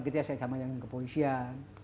kita sama sama yang ke polisian